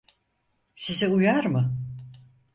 Size uyar mı?